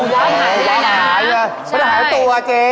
ไม่ได้หายตัวเจ๊